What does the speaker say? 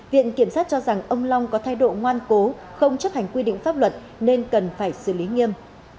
viện kiểm sát cho rằng ông long có thay độ ngoan cố không chấp hành quy định pháp luật nên cần phải xử lý nghiêm